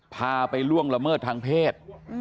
พาไปล่วงละเมิดทางเพศ